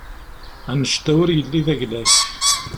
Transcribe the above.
Annect-a ur yelli d ayla-k.